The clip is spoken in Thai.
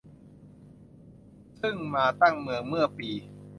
ซึ่งมาตั้งเมืองเมื่อปี